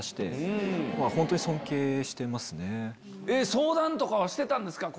相談とかはしてたんですか？